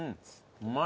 うまい！